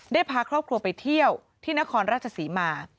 พาครอบครัวไปเที่ยวที่นครราชศรีมา